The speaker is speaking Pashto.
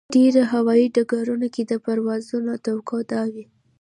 ډېرو هوایي ډګرونو کې د پروازونو توقع دا وي.